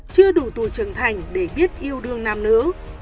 chưa đủ tuổi trưởng thành để biết yêu đương nam nữ